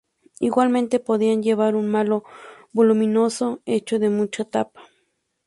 Igualmente podían llevar un malo voluminoso, hecho de mucha tapa.